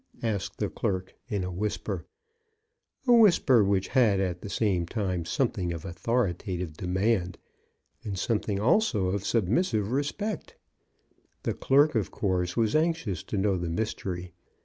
" asked the clerk, in a whisper — a whisper which had at the same time some thing of authoritative demand and something also of submissive respect. The clerk, of course, was anxious to know the mystery.